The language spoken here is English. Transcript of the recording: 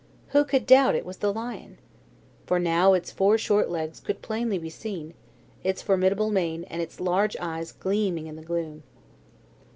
Who could doubt it was the lion? for now its four short legs could plainly be seen, its formidable mane and its large eyes gleaming in the gloom.